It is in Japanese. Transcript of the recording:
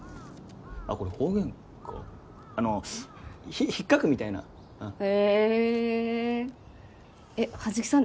あっこれ方言かあのひっかくみたいなへえっ葉月さん